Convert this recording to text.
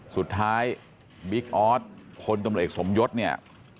สุดท้ายบิ๊กออสพลตำรวจเอกสมยศเนี่ย